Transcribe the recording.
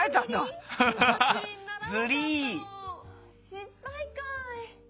失敗かい！